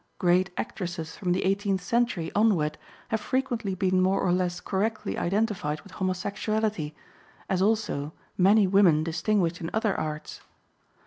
Great actresses from the eighteenth century onward have frequently been more or less correctly identified with homosexuality, as also many women distinguished in other arts.